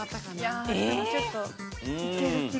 いやちょっといける気がする。